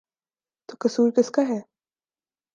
تو قصور کس کا ہے؟